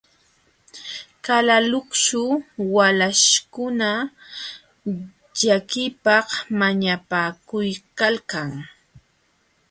Qalaluksu walaśhkuna llakiypaq mañapakuykalkan.